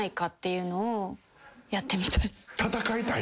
戦いたい？